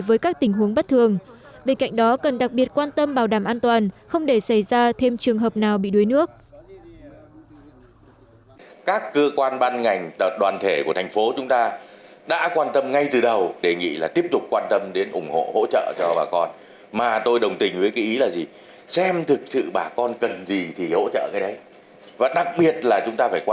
với các tình huống bất thường bên cạnh đó cần đặc biệt quan tâm bảo đảm an toàn không để xảy ra thêm trường hợp nào bị đuối nước